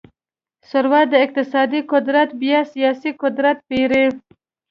ثروت او اقتصادي قدرت بیا سیاسي قدرت پېري.